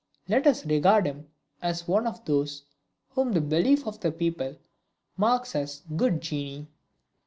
Let us regard him as one of those whom the belief of the people marks as "Good Genii!"